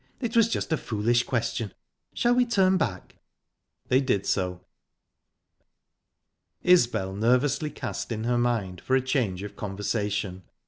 It was just a foolish question...Shall we turn back?" They did so. Isbel nervously cast in her mind for a change of conversation.